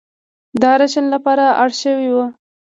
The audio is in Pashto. د راشن لپاره اړ شوې وه.